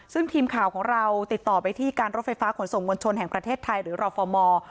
ซึ่งทีมข่าวของเราติดต่อไปที่การรถไฟฟ้าขนส่งมวลชนแห่งประเทศไทยหรือรอฟอร์มอร์